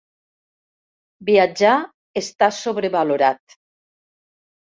Viatjar està sobrevalorat.